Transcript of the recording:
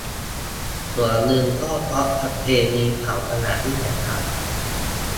ส่วนหนึ่งก็เพราะประเพณีเผากระดาษนี่แหละครับ